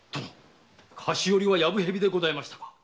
菓子折りは薮蛇でございましたか。